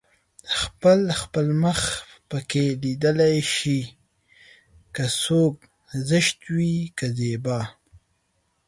خپل خپل مخ پکې ليده شي که څوک زشت وي که زيبا